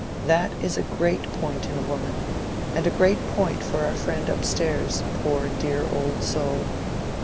That is a great point in a woman, and a great point for our friend up stairs, poor dear old soul.